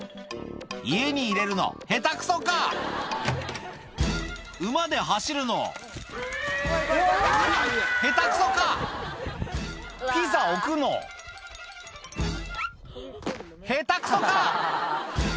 家に入れるのヘタくそか⁉馬で走るのヘタくそか⁉ピザ置くのヘタくそか